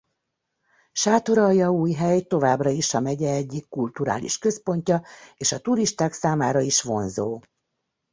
Sátoraljaújhely továbbra is a megye egyik kulturális központja és a turisták számára is vonzó.